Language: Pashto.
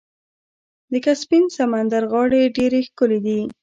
د کسپین سمندر غاړې ډیرې ښکلې دي.